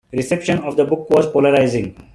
Reception of the book was "polarizing".